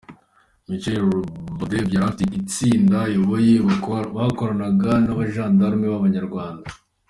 Michel Robardey yari ahafite itsinda ayoboye. Bakoranaga n’abajandarume b’abanyarwanda.